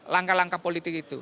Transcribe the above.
langkah langkah politik itu